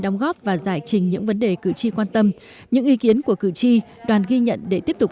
đóng góp và giải trình những vấn đề cử tri quan tâm những ý kiến của cử tri đoàn ghi nhận để tiếp tục